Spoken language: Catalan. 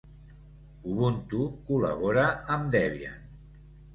Ubuntu col·labora amb Debian